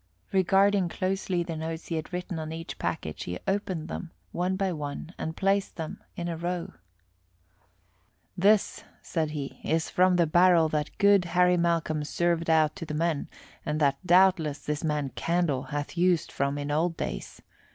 Regarding closely the notes he had written on each package, he opened them one by one and placed them in a row. "This," said he, "is from the barrel that good Harry Malcolm served out to the men and that doubtless this man Candle hath used from in old days.